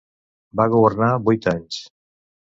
Va governar vuit anys.